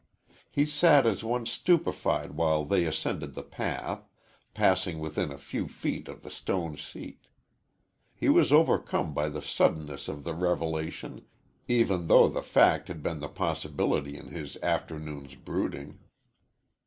He sat as one stupefied while they ascended the path, passing within a few feet of the stone seat. He was overcome by the suddenness of the revelation, even though the fact had been the possibility in his afternoon's brooding.